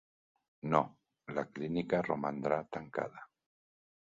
No, la clínica romandrà tancada.